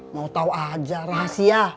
mau tau aja rahasia